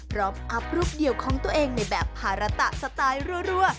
อัพรูปเดี่ยวของตัวเองในแบบภาระตะสไตล์รัว